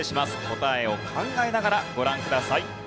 答えを考えながらご覧ください。